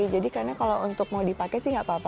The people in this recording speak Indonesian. jadi karena kalau untuk mau dipakai sih nggak apa apa